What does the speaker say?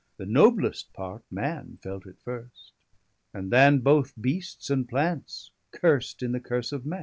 The noblest part, man, felt it first; and than Both beasts and plants, curst in the curse of man.